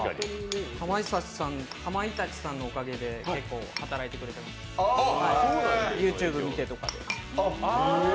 かまいたちさんのおかげで結構働いてくれてます、ＹｏｕＴｕｂｅ見てとかで。